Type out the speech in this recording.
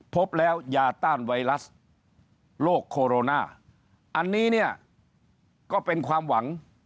พบแล้วยาต้านไวรัสโรคโคโรนาอันนี้เนี่ยก็เป็นความหวัง